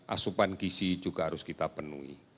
asupan gisi juga harus kita penuhi